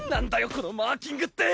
このマーキングって！